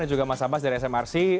dan juga mas abas dari smrc